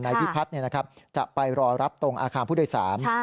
พิพัฒน์จะไปรอรับตรงอาคารผู้โดยสาร